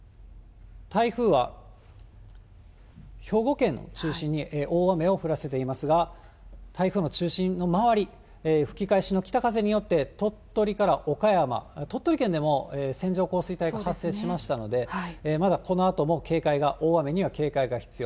台風は兵庫県を中心に大雨を降らせていますが、台風の中心の周り、吹き返しの北風によって、鳥取から岡山、鳥取県でも線状降水帯が発生しましたので、まだこのあとも警戒が、大雨には警戒が必要。